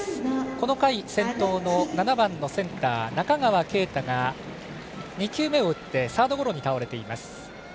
この回、先頭の７番のセンター中川圭太が２球目を打ってサードゴロに倒れています。